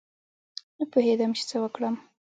نه پوهېدم چې څه وکړم.